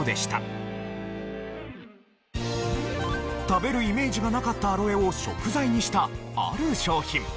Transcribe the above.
食べるイメージがなかったアロエを食材にしたある商品。